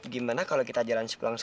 gimana kalau kita jalan sepulang